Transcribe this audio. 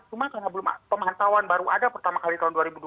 cuma karena belum pemantauan baru ada pertama kali tahun dua ribu dua puluh